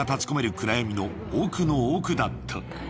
暗闇の奥の奥だった